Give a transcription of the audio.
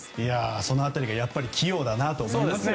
その辺りが器用だなと思いますね。